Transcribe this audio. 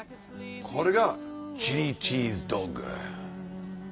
これがチリチーズドッグ。